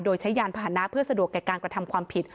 โดยใช้ยานพาหนะเพื่อสะดวกแก่การกระทำความผิด